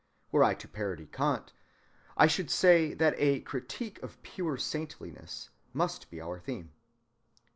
Were I to parody Kant, I should say that a "Critique of pure Saintliness" must be our theme.